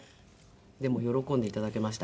でも喜んで頂けました。